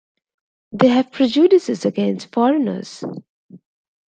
They have prejudices against foreigners.